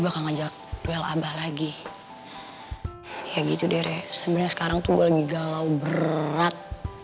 bakal ngajak duel abah lagi ya gitu derek sebenarnya sekarang tuh lagi galau berat